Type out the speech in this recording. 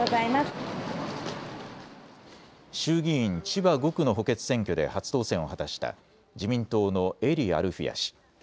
衆議院千葉５区の補欠選挙で初当選を果たした自民党の英利アルフィヤ氏。